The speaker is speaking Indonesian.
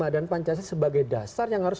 dan pancasila sebagai dasar yang harus